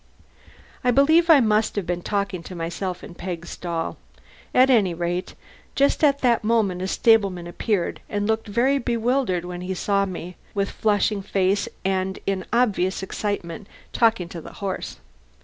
I believe I must have been talking to myself in Peg's stall at any rate, just at this moment the stableman appeared and looked very bewildered when he saw me, with flushed face and in obvious excitement, talking to the horse.